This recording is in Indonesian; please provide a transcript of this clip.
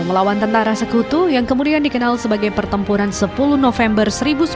melawan tentara sekutu yang kemudian dikenal sebagai pertempuran sepuluh november seribu sembilan ratus empat puluh